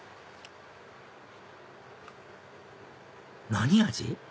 何味？